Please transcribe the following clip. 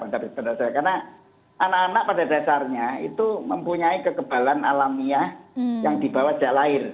karena anak anak pada dasarnya itu mempunyai kekebalan alamiah yang dibawa jahat lahir